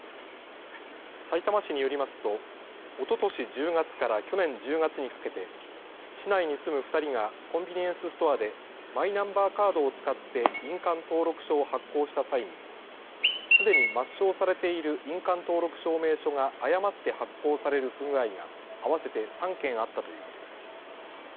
さいたま市によりますとおととし１０月から去年１０月にかけて市内に住む２人がコンビニエンスストアでマイナンバーカードを使って印鑑登録書を発行した際にすでに抹消されている印鑑登録証明書が誤って発行される不具合が合わせて３件あったということです。